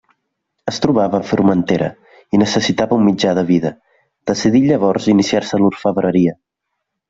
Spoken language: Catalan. Es trobava a Formentera i necessitava un mitjà de vida, decidí llavors iniciar-se en l'orfebreria.